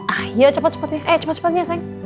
ayo cepat cepatnya eh cepat cepatnya sayang